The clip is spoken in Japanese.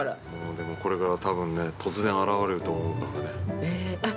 ◆でも、これから多分ね突然現れると思うからね。